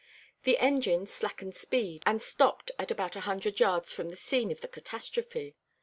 The engine slackened speed, and stopped at about a hundred yards from the scene of the catastrophe.